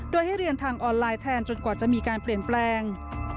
โดยให้เรียนทางออนไลน์แทนจนกว่าจะมีการเปลี่ยนแปลง